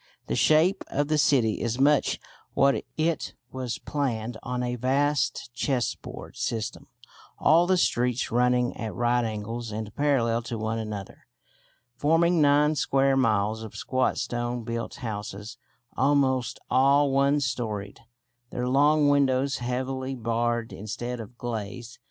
The shape of the city is much what it was, planned on a vast chessboard system, all the streets running at right angles and parallel to one another, forming nine square miles of squat stone built houses, almost all one storeyed, their long windows heavily barred instead of glazed.